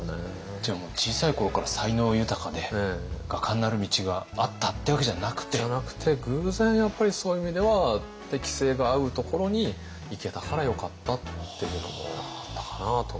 じゃあもう小さい頃から才能豊かで画家になる道があったっていうわけじゃなくて？じゃなくて偶然やっぱりそういう意味では適性が合うところに行けたからよかったっていうのもあったかなと。